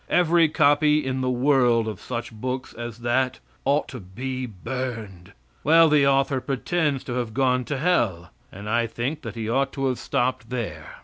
Every copy in the world of such books as that ought to be burned. Well, the author pretends to have gone to hell, and I think that he ought to have stopped there.